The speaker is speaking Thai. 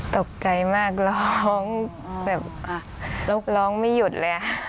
ตกใจมากร้องแบบลูกร้องไม่หยุดเลย